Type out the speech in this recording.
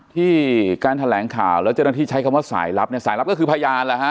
ที่การแถลงข่าวแล้วเจ้าหน้าที่ใช้คำว่าสายลับเนี่ยสายลับก็คือพยานแล้วฮะ